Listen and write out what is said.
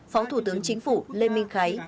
phó thủ tướng chính phủ lê minh khái